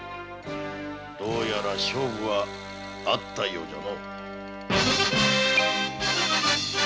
どうやら勝負はあったようじゃの。